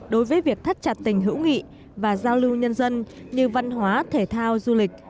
đối với việc thắt chặt tình hữu nghị và giao lưu nhân dân như văn hóa thể thao du lịch